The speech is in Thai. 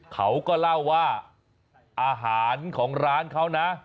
เขาก็เล่าว่าอาหารของร้านเขานะ